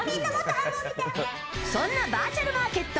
そんなバーチャルマーケット